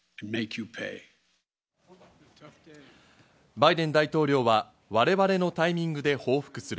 バイデン大統領は我々のタイミングで報復する。